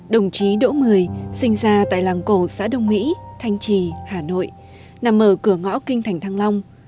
đồng chí đỗ mười sinh ra tại làng cổ xã đông mỹ thanh trì hà nội nằm ở cửa ngõ kinh thành thăng long